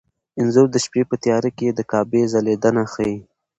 انځور د شپې په تیاره کې د کعبې ځلېدنه ښيي.